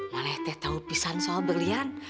mana teh tau pisang soal berlian